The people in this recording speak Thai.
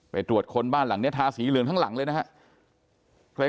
ตรวจคนบ้านหลังนี้ทาสีเหลืองทั้งหลังเลยนะครับ